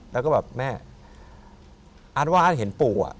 แล้วก็แบบแม่อาร์ตว่าอาร์ตเห็นปู่อะ